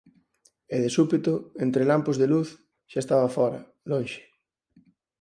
E de súpeto, entre lampos de luz, xa estaba fóra, lonxe.